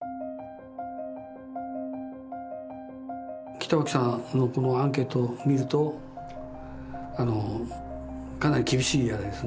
北脇さんのこのアンケートを見るとかなり厳しいあれですね